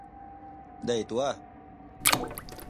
ได้สิ